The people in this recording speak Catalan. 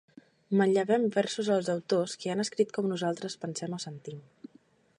Manllevem versos als autors que han escrit com nosaltres pensem o sentim.